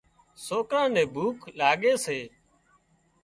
سوڪران نين ڀوک لاڳي سي